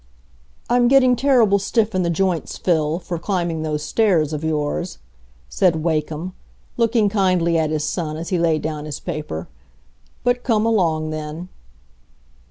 "I'm getting terrible stiff in the joints, Phil, for climbing those stairs of yours," said Wakem, looking kindly at his son as he laid down his paper. "But come along, then."